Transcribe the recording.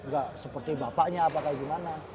gak seperti bapaknya apa kayak gimana